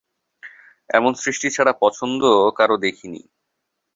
এমন সৃষ্টিছাড়া পছন্দও কারো দেখি নি।